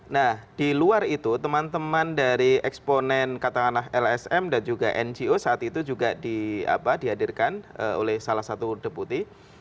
nah di luar itu teman teman dari eksponen katakanlah lsm dan juga ngo saat itu juga dihadirkan oleh salah satu deputi